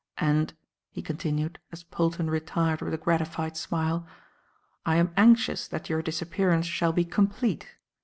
And," he continued, as Polton retired with a gratified smile, "I am anxious that your disappearance shall be complete.